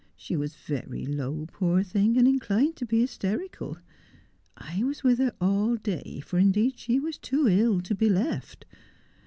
She was very low, poor thing, and inclined to be hysterical. I was with her all day, for indeed she was too ill to be left.